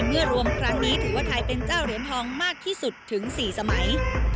รวมครั้งนี้ถือว่าไทยเป็นเจ้าเหรียญทองมากที่สุดถึง๔สมัย